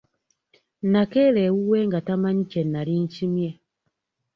Nnakeera ewuwe nga tamanyi kye nali nkimye.